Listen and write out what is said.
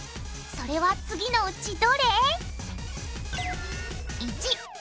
それは次のうちどれ？